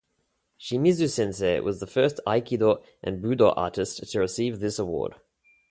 Shimizu-sensei was the first Aikido and Budo artist to receive this award.